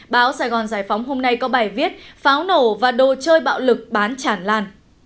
báo sài gòn giải phóng hôm nay có bài viết pháo nổ và đồ chơi bạo lực bán chản lan